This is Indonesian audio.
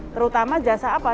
terutama jasa apa